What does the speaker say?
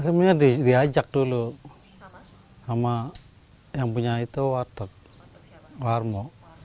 sebenarnya diajak dulu sama yang punya itu warteg warmo